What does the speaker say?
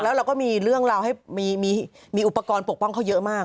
แล้วเราก็มีเรื่องราวให้มีอุปกรณ์ปกป้องเขาเยอะมาก